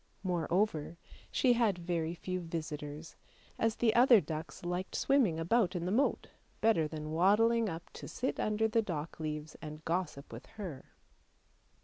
Moreover, she had very few visitors, as the other ducks liked swimming about in the moat better than waddling up to sit under the dock leaves and gossip with her.